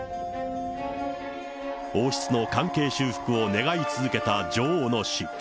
王室の関係修復を願い続けた女王の死。